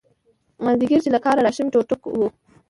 مازدیگر چې له کاره راشم ټوک ټوک وم.